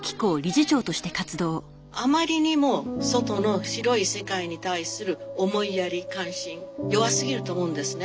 あまりにも外の広い世界に対する思いやり関心弱すぎると思うんですね。